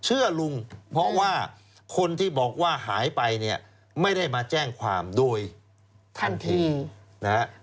เชื่อลุงเพราะว่าคนที่บอกว่าหายไปเนี่ยไม่ได้มาแจ้งความโดยทันทีนะฮะ